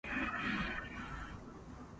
つつ